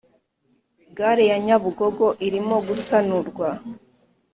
gare ya nyabugogo irimo gusanurwa